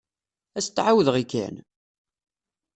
Ad as-d-ɛawdeɣ i Ken?